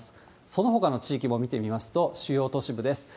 そのほかの地域も見てみますと、主要都市部です。